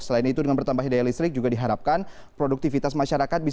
selain itu dengan bertambahnya daya listrik juga diharapkan produktivitas masyarakat